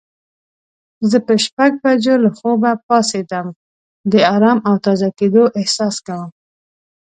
زه په شپږ بجو له خوبه پاڅیدم د آرام او تازه کیدو احساس کوم.